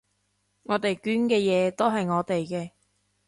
我哋捐嘅嘢都係我哋嘅